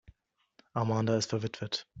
Amanda ist verwitwet.